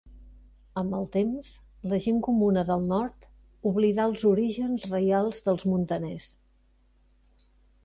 Amb el temps, la gent comuna del nord oblidà els orígens reials dels muntaners.